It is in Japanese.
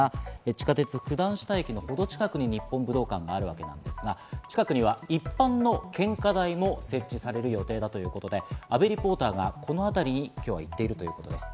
地下鉄・九段下駅の近くに日本武道館あるわけですが、近くには一般の献花台も設置される予定ということで、阿部リポーターが、この辺りに今日行っているということです。